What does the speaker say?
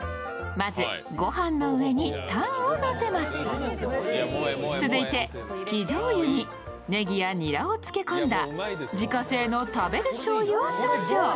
まず、御飯の上にタンをのせます続いて生醤油にねぎやにらを浸け込んだ自家製の食べるしょうゆを少々。